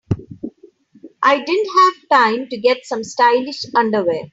I didn't have time to get some stylish underwear.